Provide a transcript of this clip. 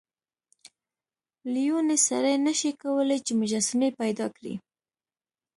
لیونی سړی نشي کولای چې مجسمې پیدا کړي.